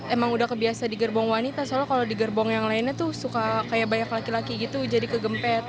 emang udah kebiasa digerbong wanita soalnya kalau digerbong yang lainnya tuh suka kayak banyak laki laki gitu jadi kegempet